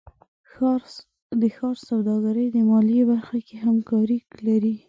د ښار سوداګرۍ د مالیې برخه کې همکاري لري.